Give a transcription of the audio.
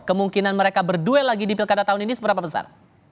kemungkinan mereka berduel lagi di pilkada tahun ini seberapa besar